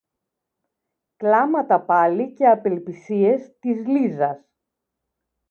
Κλάματα πάλι και απελπισίες της Λίζας.